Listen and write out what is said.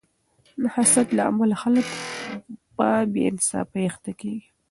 د حسد له امله خلک په بې انصافۍ اخته کیږي.